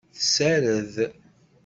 Tessared.